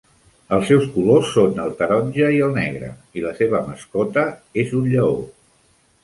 Els seus colors són el taronja i el negre, i la seva mascota és un lleó.